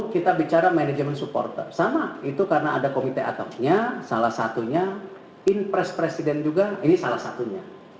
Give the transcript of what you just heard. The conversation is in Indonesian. kita bicara manajemen supporter sama itu karena ada komite atapnya salah satunya in press presiden juga ini salah satunya